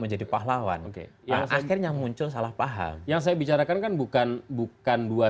menjadi pahlawan oke yang saya akhirnya muncul salah paham yang saya bicarakan bukan bukan dua